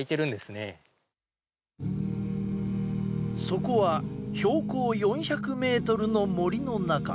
そこは標高４００ｍの森の中。